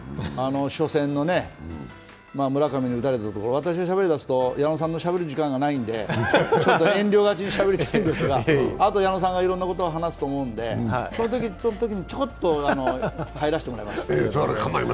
初戦の村上に打たれたところ、私がしゃべり出すと矢野さんがしゃべる時間がないので遠慮がちにしゃべりたいんですが、あと矢野さんがいろんなことを話すと思うのでそのときにちょこっと入らせてもらいます。